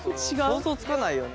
想像つかないよね。